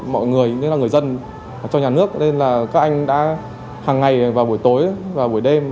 mọi người nên là người dân cho nhà nước nên là các anh đã hằng ngày vào buổi tối vào buổi đêm